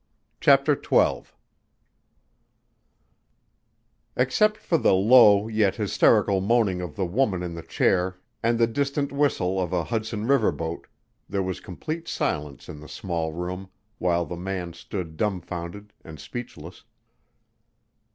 CHAPTER XII Except for the low yet hysterical moaning of the woman in the chair and the distant whistle of a Hudson River boat, there was complete silence in the small room, while the man stood dumfounded and speechless.